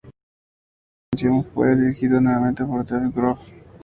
El videoclip de la canción fue dirigido nuevamente por Dave Grohl.